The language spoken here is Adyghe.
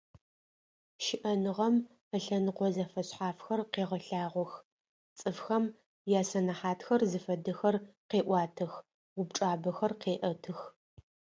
ЩыӀэныгъэм ылъэныкъо зэфэшъхьафхэр къегъэлъагъох, цӀыфхэм ясэнэхьатхэр зыфэдэхэр къеӀуатэх, упчӀабэхэр къеӀэтых.